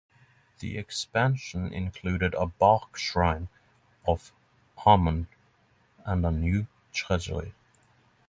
The expansion included a barque shrine of Amun and a new treasury.